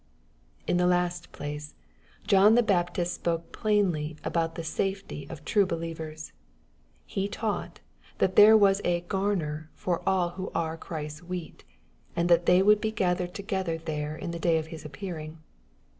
In the last place, John the Baptist spoke plainly about the safety of true believers. He taught, that there was "a garner" for all who are Christ's wheat, and that they would be gathered together there in the day of his appearing.